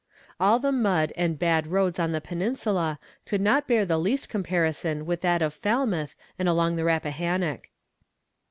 All the mud and bad roads on the Peninsula could not bear the least comparison with that of Falmouth and along the Rappahannock.